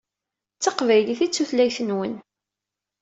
D taqbaylit i d tutlayt-nwen.